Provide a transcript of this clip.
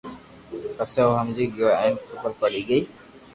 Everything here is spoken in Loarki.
پسي او ھمجي گيو ھين خبر پڙي گئي